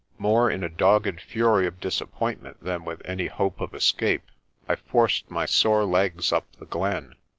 More in a dogged fury of disappointment than with any hope of escape I forced my sore legs up the glen.